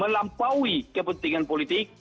dan melampaui kepentingan politik